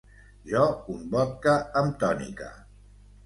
Jo un vodka amb tònica.